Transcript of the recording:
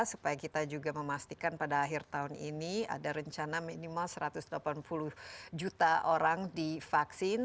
supaya kita juga memastikan pada akhir tahun ini ada rencana minimal satu ratus delapan puluh juta orang divaksin